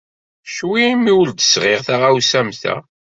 Ccwi imi ur d-sɣiɣ taɣawsa am ta.